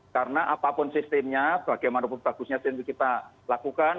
karena apapun sistemnya bagaimanapun bagusnya sistem itu kita lakukan